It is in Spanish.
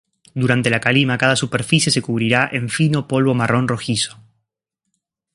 Durante la calima, cada superficie se cubrirá en fino polvo marrón rojizo.